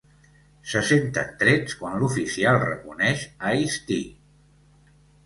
Se senten trets quan l'oficial reconeix Ice-T.